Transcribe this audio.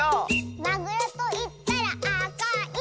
「まぐろといったらあかい！」